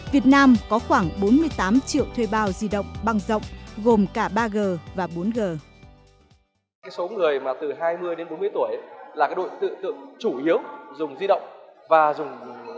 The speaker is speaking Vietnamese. việt nam có khoảng bốn mươi tám triệu thuê bao di động băng rộng gồm cả ba g và bốn g